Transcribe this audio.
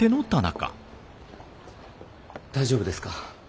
大丈夫ですか？